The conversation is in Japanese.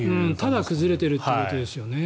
ただ崩れてるということですよね。